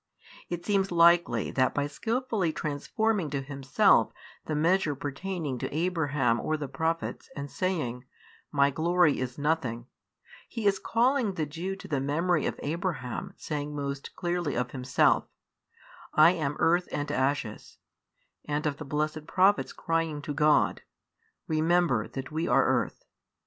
It seems likely that by skilfully transforming to Himself the measure pertaining to Abraham or the Prophets and saying, My glory is nothing, He is calling the Jew to the memory of Abraham saying most clearly of himself, I am earth and ashes, and of the blessed prophets crying to God, Remember that we are earth.